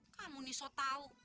kamu nih so tau